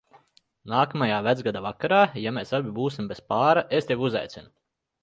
Nākamajā Vecgada vakarā, ja mēs abi būsim bez pāra, es tevi uzaicinu.